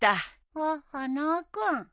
あっ花輪君。